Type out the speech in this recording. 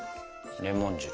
レモン汁。